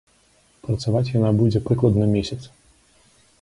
Працаваць яна будзе прыкладна месяц.